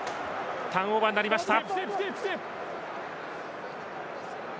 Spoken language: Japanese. ターンオーバーになりました。